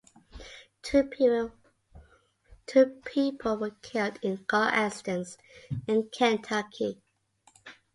Two people were killed in car accidents in Kentucky.